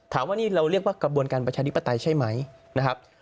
ถามว่านี่เราเรียกว่ากระบวนการประชาธิปไตยใช่ไหมนะครับ